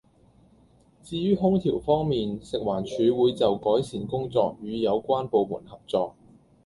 至於空調問題，食環署會就改善工作與有關部門合作